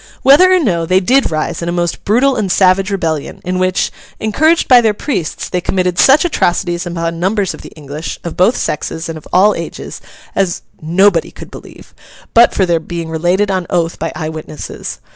Whether or no, they did rise in a most brutal and savage rebellion; in which, encouraged by their priests, they committed such atrocities upon numbers of the English, of both sexes and of all ages, as nobody could believe, but for their being related on oath by eye witnesses.